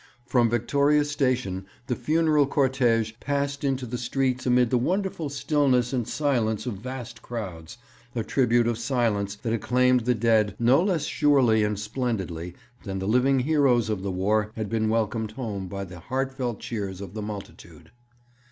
From Victoria Station the funeral cortège passed into the streets amid the wonderful stillness and silence of vast crowds, a tribute of silence that acclaimed the dead no less surely and splendidly than the living heroes of the war had been welcomed home by the heartfelt cheers of the multitude.